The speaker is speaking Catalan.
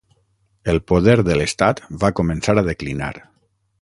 El poder de l'estat va començar a declinar.